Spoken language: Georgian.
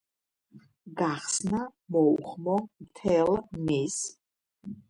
გახსნა, მოუხმო მთელ მის